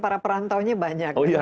para perantau banyak